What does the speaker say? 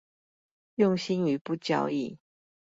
用心於不交易